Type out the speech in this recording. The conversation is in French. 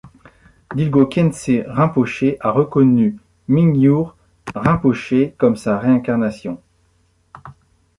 Dilgo Khyentse Rinpoché a reconnu Mingyur Rinpoché comme sa réincarnation.